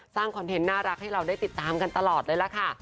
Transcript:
คอนเทนต์น่ารักให้เราได้ติดตามกันตลอดเลยล่ะค่ะ